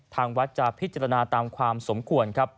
ทางวัดจะพิจารณาตามความสมควรครับ